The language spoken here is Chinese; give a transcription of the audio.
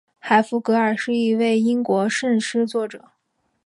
海弗格尔是一位英国圣诗作者。